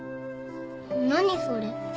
何それ。